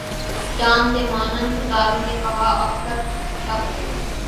چاند سے ماند ستاروں نے کہا آخر شب